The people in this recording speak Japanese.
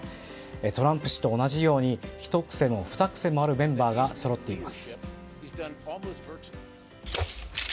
トランプ氏と同じようにひと癖もふた癖もあるメンバーがそろっています。